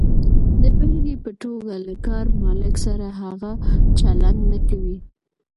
د بېلګې په توګه، له کار مالک سره هغه چلند نه کوئ.